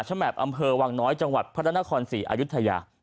ฉมแหมบอำเภอวังน้อยจังหวัดพระธนะคอนสี่อายุทยานะฮะ